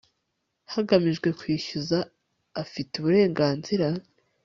hagamijwe kwishyuza afite uburenganzira